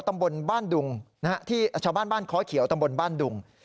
ตำบลบ้านดุงที่ชาวบ้านบ้านค้อเขียวตำบลบ้านดุง